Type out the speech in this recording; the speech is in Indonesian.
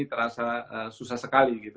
terasa susah sekali gitu